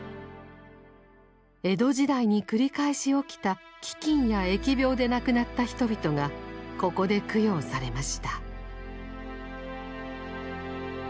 江戸時代に繰り返し起きた飢饉や疫病で亡くなった人々がここで供養されました。